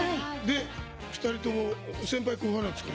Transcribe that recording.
２人とも先輩後輩なんですか？